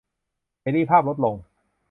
เสรีภาพลดลง